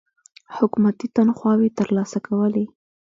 حکومتي تنخواوې تر لاسه کولې.